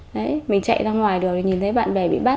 đấy mình chạy ra ngoài rồi nhìn thấy bạn bè bị bắt